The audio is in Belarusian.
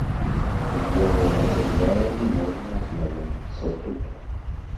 З яго матэрыяламі можна азнаёміцца тут.